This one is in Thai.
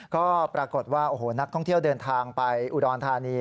ก็ปรากฏว่าโอ้โหนักท่องเที่ยวเดินทางไปอุดรธานี